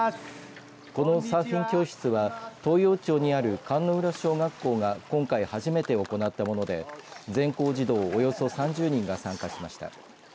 このサーフィン教室は東洋町にある甲浦小学校が今回初めて行ったもので全校児童およそ３０人が参加しました。